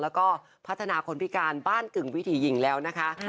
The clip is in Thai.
แล้วก็พัฒนาคนพิการบ้านกึ่งวิถีหญิงแล้วนะคะ